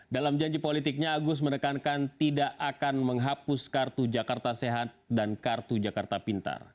dalam janji politiknya agus menekankan tidak akan menghapus kartu jakarta sehat dan kartu jakarta pintar